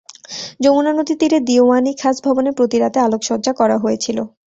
যমুনা নদীর তীরে দিওয়ান-ই-খাস ভবনে প্রতি রাতে আলোকসজ্জা করা হয়েছিলো।